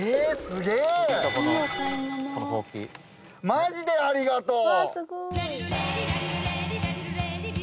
マジでありがとう。